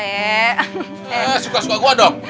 eh suka suka gua dong